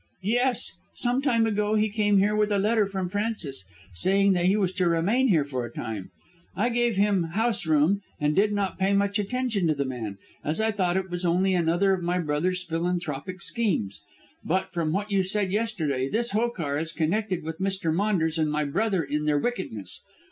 "Yes. Some time ago he came here with a letter from Francis, saying that he was to remain here for a time. I gave him house room and did not pay much attention to the man, as I thought it was only another of my brother's philanthropic schemes. But, from what you said yesterday, this Hokar is connected with Mr. Maunders and my brother in their wickedness.